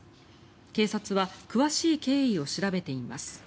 警察は詳しい経緯を調べています。